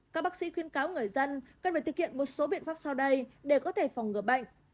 các bác sĩ khuyên cáo người dân cần phải thực hiện một số biện pháp sau đây để có thể phòng ngừa bệnh